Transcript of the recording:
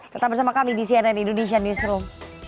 tetap bersama kami di cnn indonesia newsroom